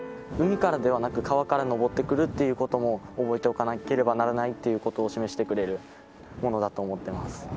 海からではなく、川から上ってくるっていうことも覚えておかなければならないということを示してくれるものだと思ってます。